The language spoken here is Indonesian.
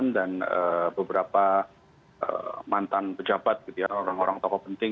dan beberapa mantan pejabat orang orang tokoh penting